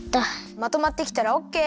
まとまってきたらオッケー！